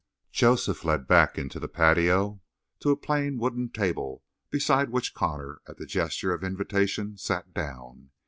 Joseph led back into the patio to a plain wooden table beside which Connor, at the gesture of invitation, sat down.